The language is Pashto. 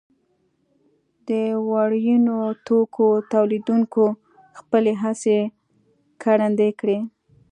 د وړینو توکو تولیدوونکو خپلې هڅې ګړندۍ کړې.